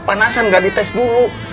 bisa nggak dites dulu